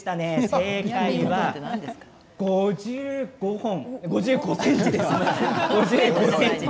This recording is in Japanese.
正解は５５本ではなくて５５ｃｍです。